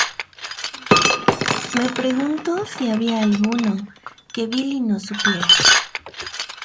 Me pregunto si había alguno que Billy no supiera.